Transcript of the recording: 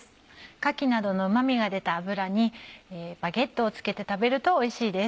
かきなどのうま味が出た油にバゲットをつけて食べるとおいしいです。